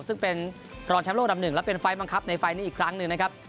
ซึ่งเป็นรองแชมป์โลกดำหนึ่งและเป็นไฟล์บังคับในไฟล์นี้อีกครั้งหนึ่งนะครับ